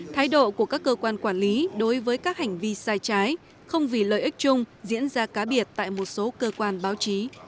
thái độ của các cơ quan quản lý đối với các hành vi sai trái không vì lợi ích chung diễn ra cá biệt tại một số cơ quan báo chí